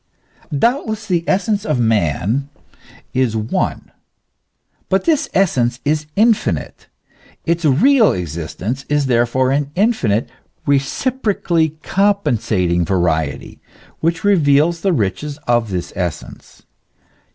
Doubtless the essence of man is one ; but this essence is infinite ; its real existence is therefore an infinite, recipro cally compensating variety, which reveals the riches of this essence.